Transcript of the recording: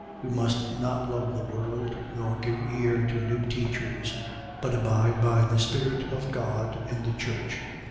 We must not love the world nor give ear to new teachers, but abide by the spirit of God in the church.